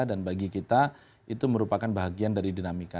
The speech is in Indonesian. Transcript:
dan bagi kita itu merupakan bagian dari dinamika